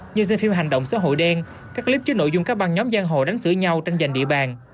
như trên phim hành động xã hội đen các clip trước nội dung các băng nhóm giang hồ đánh xử nhau tranh giành địa bàn